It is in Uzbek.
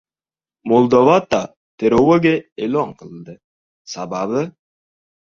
Moldovada trevoga e’lon qilindi. Sababi...